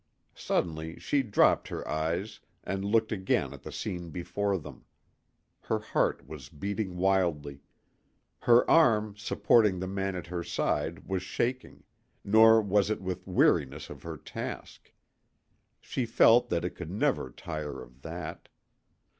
Suddenly she dropped her eyes and looked again at the scene before them. Her heart was beating wildly. Her arm supporting the man at her side was shaking, nor was it with weariness of her task. She felt that it could never tire of that.